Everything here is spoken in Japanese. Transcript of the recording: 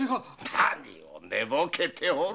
何を寝ぼけておる。